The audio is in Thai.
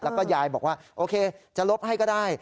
แล้วก็ยายบอกว่าโอเคจะลบให้ก็ได้